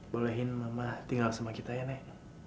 bolehin mama tinggal sama kita ya nek